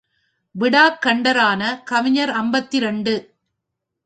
விடாக் கண்டரான கவிஞர் ஐம்பத்திரண்டு.